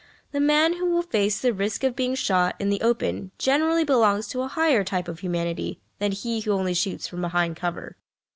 The man who will face the risk of being shot in the open generally belongs to a higher type of humanity than he who only shoots from behind cover.